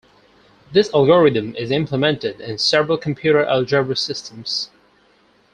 This algorithm is implemented in several computer algebra systems.